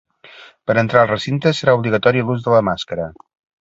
Per a entrar al recinte serà obligatori l’ús de la màscara.